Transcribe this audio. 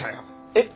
えっ！？